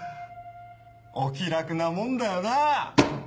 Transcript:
お気楽なもんだよなぁ。